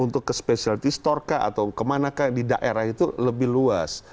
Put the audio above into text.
untuk ke spesiality store atau ke manakah di daerah itu lebih luas